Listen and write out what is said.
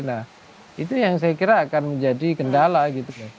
nah itu yang saya kira akan menjadi kendala gitu